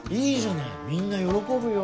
みんな喜ぶよ。